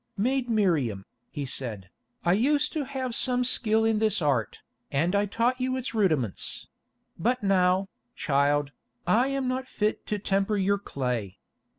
"Maid Miriam," he said, "I used to have some skill in this art, and I taught you its rudiments; but now, child, I am not fit to temper your clay.